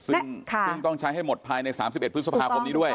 ซึ่งต้องใช้ให้หมดภายใน๓๑พฤษภาคมนี้ด้วย